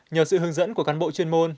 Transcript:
nhờ sự hướng dẫn của cán bộ chuyên môn